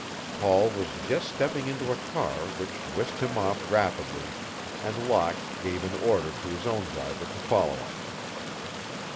Paul was just stepping into a car which whisked him off rapidly and Locke gave an order to his own driver to follow him.